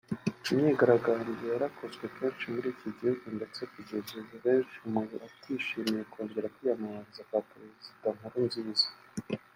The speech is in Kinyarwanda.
Imyigaragambyo yarakozwe kenshi muri iki gihugu ndetse kugeza ubu benshi mu batishimiye kongera kwiyamamaza kwa Perezida Nkurunziza